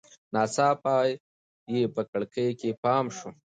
ناڅاپه یې په کړکۍ کې پام شو.